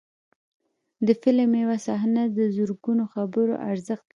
د فلم یو صحنه د زرګونو خبرو ارزښت لري.